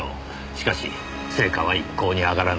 しかし成果は一向に上がらない。